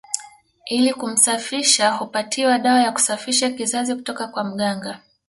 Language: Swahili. Ili kumsafisha hupatiwa dawa ya kusafisha kizazi kutoka kwa mganga